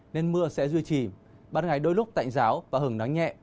nên mưa sẽ duy trì ban ngày đôi lúc tạnh giáo và hứng nắng nhẹ